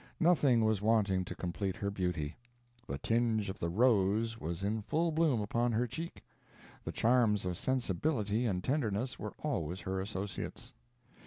Nothing was wanting to complete her beauty. The tinge of the rose was in full bloom upon her cheek; the charms of sensibility and tenderness were always her associates.